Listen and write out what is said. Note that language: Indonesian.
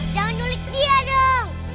jangan nulik dia dong